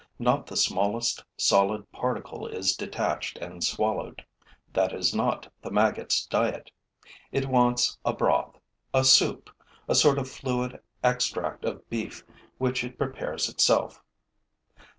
Not the smallest solid particle is detached and swallowed. That is not the maggot's diet. It wants a broth, a soup, a sort of fluid extract of beef which it prepares itself.